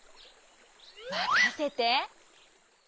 まかせて！